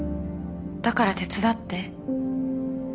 だから手伝って。